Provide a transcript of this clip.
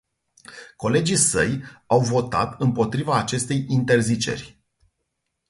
Colegii săi au votat împotriva acestei interziceri.